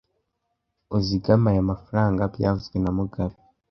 Uzigame aya mafaranga byavuzwe na mugabe